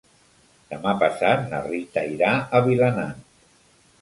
Demà passat na Rita irà a Vilanant.